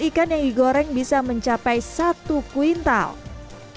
ikan yang digoreng bisa mencapai satu kuintal pelanggan juga memburu sambal